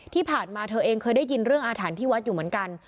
ที่ผ่านมาเธอเองเคยได้ยินเรื่องอาถรรพ์ที่วัดอยู่เหมือนกัน